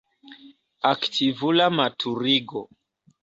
Aktivula maturigo.